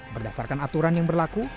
berdasarkan aturan yang berlaku